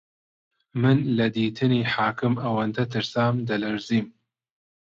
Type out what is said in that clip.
من لە دیتنی حاکم ئەوەندە ترسام دەلەرزیم